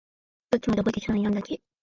さっきまで覚えていたのに何だっけ？